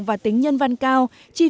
và tính nhân văn cao